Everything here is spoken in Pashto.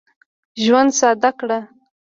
ژوند ساده کړه.